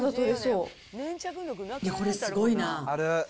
これ、すごいな。